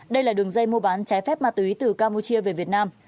đây là đường dây mua bán trái phép ma túy từ campuchia về việt nam